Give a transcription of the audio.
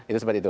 itu seperti itu